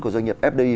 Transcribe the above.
của doanh nghiệp fdi